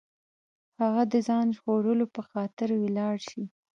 هغه د ځان ژغورلو په خاطر ولاړ شي.